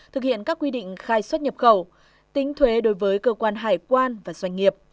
thực hiện các quy định khai xuất nhập khẩu tính thuế đối với cơ quan hải quan và doanh nghiệp